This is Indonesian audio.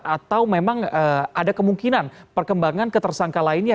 atau memang ada kemungkinan perkembangan ketersangka lainnya